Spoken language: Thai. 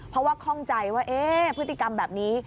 เพราะว่าข้องใจว่าพฤติกรรมแบบนี้